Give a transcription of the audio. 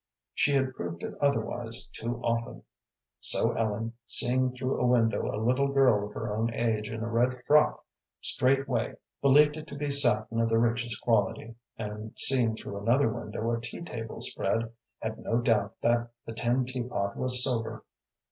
She had proved it otherwise too often. So Ellen, seeing through a window a little girl of her own age in a red frock, straightway believed it to be satin of the richest quality, and, seeing through another window a tea table spread, had no doubt that the tin teapot was silver.